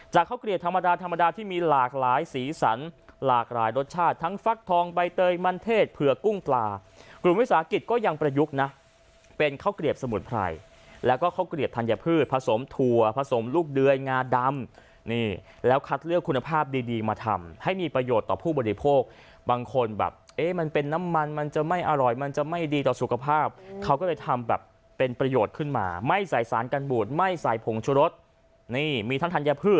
จากข้าวเกลียดธรรมดาธรรมดาที่มีหลากหลายสีสันหลากหลายรสชาติทั้งฟักทองใบเตยมันเทศเผื่อกุ้งกลากลุ่มวิสาหกิจก็ยังประยุกต์นะเป็นข้าวเกลียดสมุนไพรแล้วก็ข้าวเกลียดธัญพืชผสมถั่วผสมลูกเดือยงาดำนี่แล้วคัดเลือกคุณภาพดีมาทำให้มีประโยชน์ต่อผู้บริโภคบางคนแบ